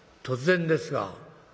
「『突然ですが』」。